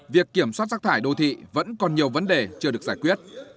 việc kiểm soát rác thải đô thị vẫn còn nhiều vấn đề chưa được giải quyết